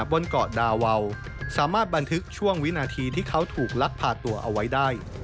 บนเกาะดาวาวสามารถบันทึกช่วงวินาทีที่เขาถูกลักพาตัวเอาไว้ได้